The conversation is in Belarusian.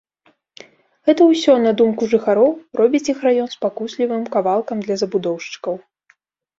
Гэта ўсё, на думку жыхароў, робіць іх раён спакуслівым кавалкам для забудоўшчыкаў.